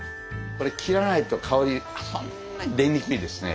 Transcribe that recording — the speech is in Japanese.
これ切らないと香りそんなに出にくいですね。